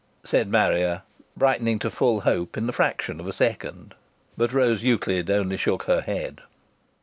said Marrier, brightening to full hope in the fraction of a second. But Rose Euclid only shook her head.